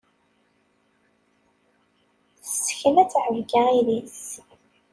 Tessekna ttɛebga idis.